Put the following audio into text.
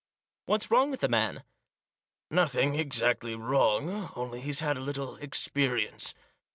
" What's wrong with the man ?"" Nothing exactly wrong, only he's had a little expe rience.